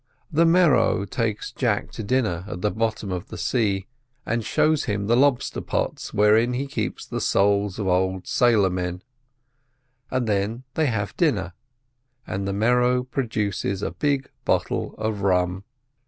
The Merrow takes Jack to dinner at the bottom of the sea, and shows him the lobster pots wherein he keeps the souls of old sailor men, and then they have dinner, and the Merrow produces a big bottle of rum.